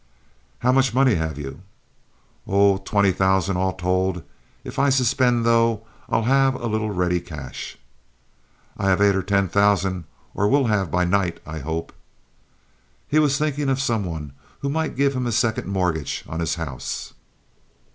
"How much money have you?" "Oh, twenty thousand, all told. If I suspend, though, I'll have to have a little ready cash." "I have eight or ten thousand, or will have by night, I hope." He was thinking of some one who would give him a second mortgage on his house.